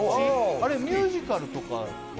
あれミュージカルとかは？